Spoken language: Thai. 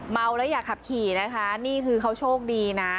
เมาแล้วอย่าขับขี่นะคะนี่คือเขาโชคดีนะ